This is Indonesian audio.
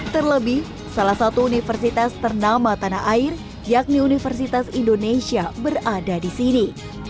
terlebih salah satu universitas ternama tanah air yakni universitas indonesia berada di sini